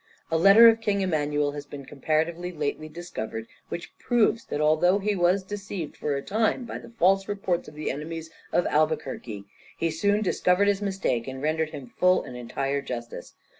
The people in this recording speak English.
A letter of King Emmanuel has been comparatively lately discovered which proves that, although he were deceived for a time by the false reports of the enemies of Albuquerque, he soon discovered his mistake, and rendered him full and entire justice.